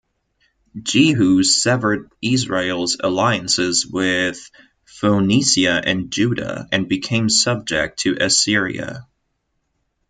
Jehu severed Israel's alliances with Phoenicia and Judah, and became subject to Assyria.